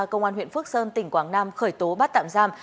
công an huyện phước sơn tỉnh quảng nam khởi tố bắt tạm giam